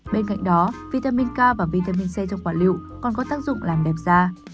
bên cạnh đó vitamin k và vitamin c trong quả lựu còn có tác dụng làm đẹp da